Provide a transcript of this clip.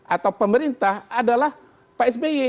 atau pemerintah adalah pak sby